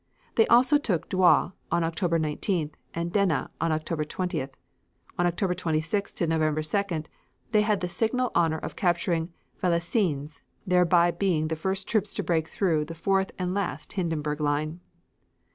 They also took Douai on October 19th, and Dena on October 20th. On October 26th to November 2d they had the signal honor of capturing Valenciennes thereby being the first troops to break through the fourth and last Hindenberg line.